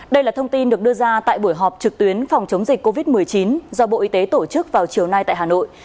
đây là thông tin được đưa ra tại buổi họp trực tuyến phòng chống dịch covid một mươi chín do bộ y tế tổ chức vào chiều nay tại hà nội